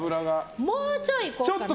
もうちょいいこうかな。